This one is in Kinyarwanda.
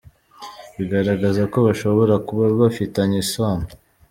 Bigaragaza ko bashobora kuba bafitanye isano”.